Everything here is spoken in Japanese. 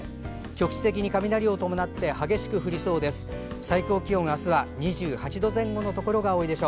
局地的に雷を伴って激しく降りそうです。